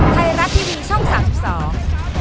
ไทยรัฐทีวีช่องสามสิบสอง